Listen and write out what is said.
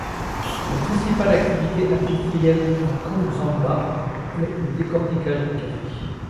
La principale activité industrielle à Nkongsamba est le décorticage du café.